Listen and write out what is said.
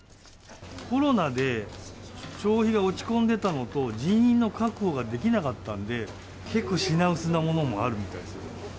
コロナで消費が落ち込んでたのと、人員の確保ができなかったんで、結構品薄なものもあるみたいですよ。